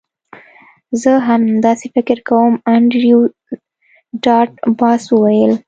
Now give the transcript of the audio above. زه هم همداسې فکر کوم انډریو ډاټ باس وویل